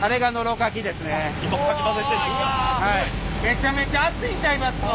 めちゃめちゃ熱いんちゃいますの？